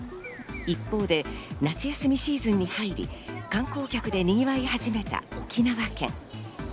一方で夏休みシーズンに入り、観光客でにぎわい始めた沖縄県。